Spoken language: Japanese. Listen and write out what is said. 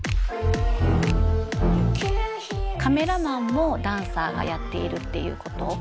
カメラマンもダンサーがやっているっていうこと。